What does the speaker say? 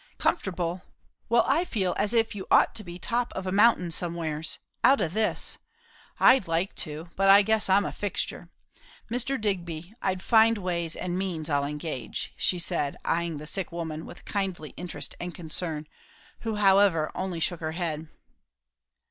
"Comfortable! well, I feel as if you ought to be top of a mountain somewheres; out o' this. I'd like to; but I guess I'm a fixtur. Mr. Digby I'd find ways and means, I'll engage," she said, eyeing the sick woman with kindly interest and concern, who however only shook her head.